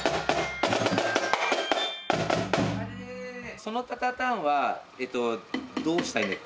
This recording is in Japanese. そのタタタンは、どうしたいんだっけ？